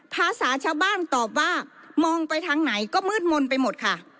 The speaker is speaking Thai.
ภาษาชาวบ้านตอบว่ามองไปทางไหนก็มืดมนต์ไปหมดค่ะ